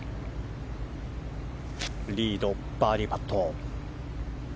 リードのバーディーパット。